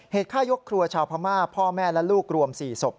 ฆ่ายกครัวชาวพม่าพ่อแม่และลูกรวม๔ศพ